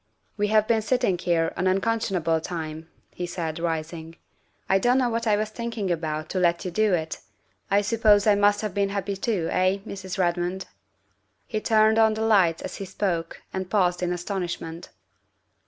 ''" We have been sitting here an unconscionable time," he said, rising. " I don't know what I was thinking about to let you do it. I suppose I must have been happy too, eh, Mrs. Redmond?" He turned on the lights as he spoke and paused in astonishment.